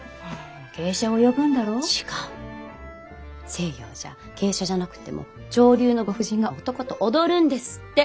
西洋じゃ芸者じゃなくても上流のご婦人が男と踊るんですって！